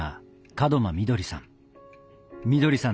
門真みどりさん。